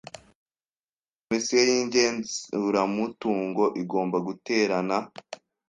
Komisiyo y igenzuramutungo igomba guterana